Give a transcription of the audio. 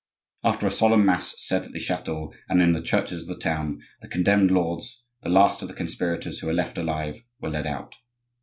After a solemn mass said at the chateau and in the churches of the town, the condemned lords, the last of the conspirators who were left alive, were led out.